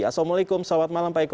assalamualaikum selamat malam pak eko